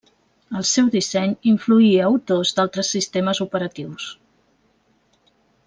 El seu disseny influí a autors d'altres sistemes operatius.